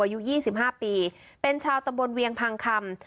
อายุ๒๕ปีเป็นชาวตำบลเวียงพังคำ